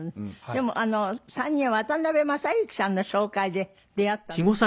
でも３人は渡辺正行さんの紹介で出会ったんですって？